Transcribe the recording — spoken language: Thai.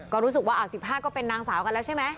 ก็รู้สึกว่า๑๕ก็เป็นนางสาวกันแล้วใช่ไหม